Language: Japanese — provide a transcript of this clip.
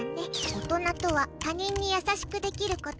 大人とは他人に優しくできること。